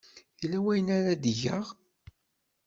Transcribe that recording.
Yella wayen ara d-geɣ?